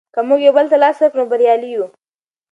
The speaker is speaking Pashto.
که موږ یو بل ته لاس ورکړو نو بریالي یو.